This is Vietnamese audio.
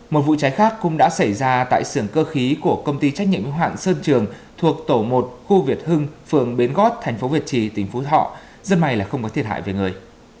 một vụ cháy khác cũng đã xảy ra tại sưởng cơ khí của công ty trách nhiệm hữu hoạn sơn trường thuộc tổ một khu việt hưng phường bến gót thành phố việt trì tỉnh phú thọ rất may là không có thiệt hại về người